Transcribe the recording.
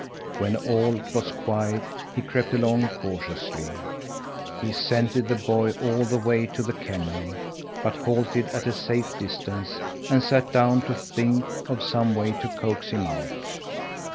When all was quiet he crept along cautiously. He scented the boy all the way to the kennel, but halted at a safe distance and sat down to think of some way to coax him out.